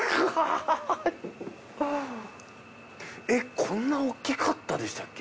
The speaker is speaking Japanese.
えっこんな大きかったでしたっけ。